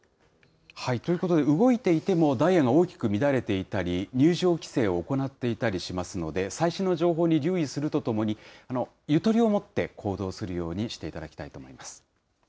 ということで、動いていても、ダイヤが大きく乱れていたり、入場規制を行っていたりしますので、最新の情報に留意するとともに、ゆとりを持って行動するようにしていただきたいと思います。